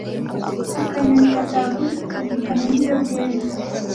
Akanyoni katagurutse ntikamenye iyo bweze